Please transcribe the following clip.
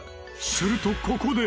するとここで。